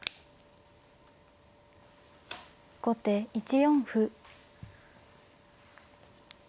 後手１四歩。